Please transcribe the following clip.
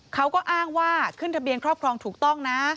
เขาก็อ้างว่าขึ้นทะเบียนครอบครองถูกต้องนะ